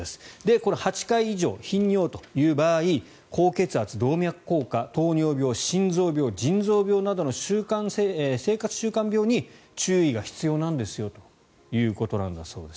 この８回以上頻尿という場合高血圧、動脈硬化糖尿病、心臓病、腎臓病などの生活習慣病に注意が必要なんですよということだそうです。